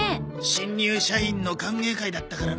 新入社員の歓迎会だったからな。